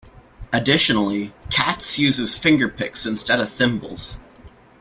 Additionally, Katz uses fingerpicks instead of thimbles.